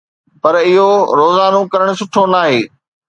پر اهو روزانو ڪرڻ سٺو ناهي.